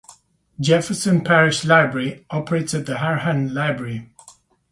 Jefferson Parish Library operates the Harahan Library.